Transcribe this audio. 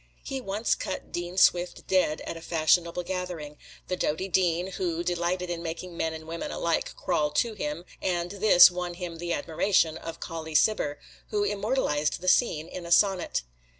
He once cut Dean Swift dead at a fashionable gathering the doughty Dean, who delighted in making men and women alike crawl to him and this won him the admiration of Colley Cibber, who immortalized the scene in a sonnet.